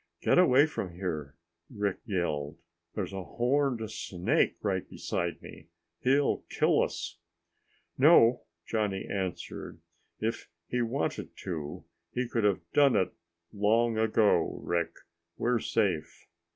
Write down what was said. "Get away from here," Rick yelled. "There's a horned snake right beside me. He'll kill us!" "No," Johnny answered. "If he'd wanted to, he could have done it long ago. Rick, we're safe!